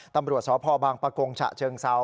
ตำรวจสพบางปะกงฉะเชิงเซา